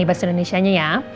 bahasa indonesia nya ya